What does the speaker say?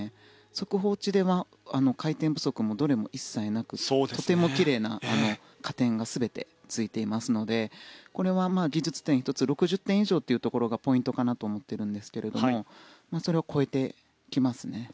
速報値では回転不足もどれも一切なくとても奇麗な加点が全てついていますのでこれは技術点１つ６０点以上というところがポイントかなと思ってるんですけれどそれを超えてきますね。